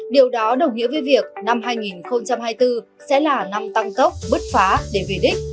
điều đó đồng nghĩa với việc năm hai nghìn hai mươi bốn sẽ là năm tăng tốc bứt phá để về đích